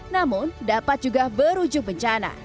namun dapat juga berujung bencana